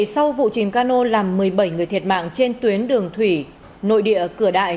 sau vụ chìm cano làm một mươi bảy người thiệt mạng trên tuyến đường thủy nội địa cửa đại